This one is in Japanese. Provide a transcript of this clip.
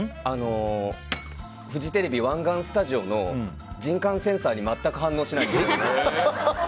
フジテレビ湾岸スタジオの人感センサーに全く反応しないんです。